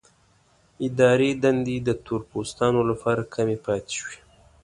اداري دندې د تور پوستانو لپاره کمې پاتې شوې.